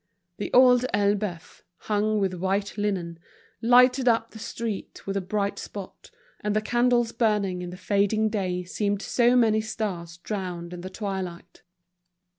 The Old Elbeuf, hung with white linen, lighted up the street with a bright spot, and the candles burning in the fading day seemed so many stars drowned in the twilight.